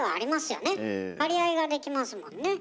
張り合いができますもんね。